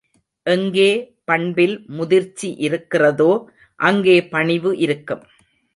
எங்கே பண்பில் முதிர்ச்சியிருக்கிறதோ அங்கே பணிவு இருக்கும்.